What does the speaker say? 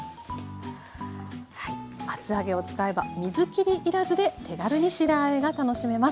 厚揚げを使えば水きり要らずで手軽に白あえが楽しめます。